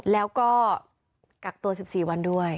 แล้วก็กักตัว๑๔วันด้วย